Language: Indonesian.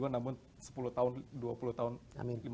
dua ribu dua puluh dua namun sepuluh tahun dua puluh tahun